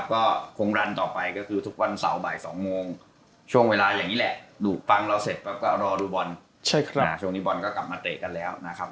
ก็รอดูบอลใช่ครับอ่าช่วงนี้บอลก็กลับมาเตะกันแล้วนะครับ